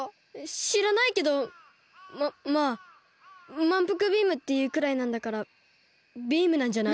しらないけどままあ「まんぷくビーム」っていうくらいなんだからビームなんじゃない？